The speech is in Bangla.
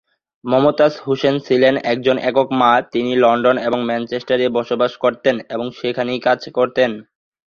মমতাজ হোসেন ছিলেন একজন একক মা, তিনি লন্ডন এবং ম্যানচেস্টারে বসবাস করতেন এবং সেখানেই কাজ করতেন।